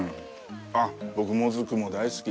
あっ、僕、モズクも大好き。